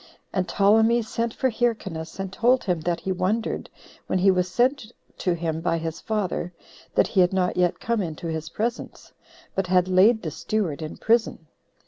And Ptolemy sent for Hyrcanus, and told him that he wondered, when he was sent to him by his father, that he had not yet come into his presence, but had laid the steward in prison.